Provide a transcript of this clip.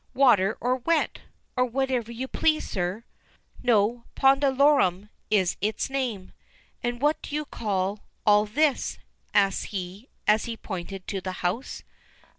"Water or wet, or whatever you please, sir." "No, 'pondalorum' is its name. And what do you call all this?" asked he, as he pointed to the house.